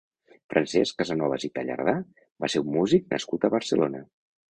Francesc Casanovas i Tallardá va ser un músic nascut a Barcelona.